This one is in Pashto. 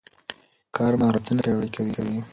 کار مهارتونه پیاوړي کوي.